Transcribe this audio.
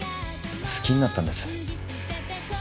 好きになったんです。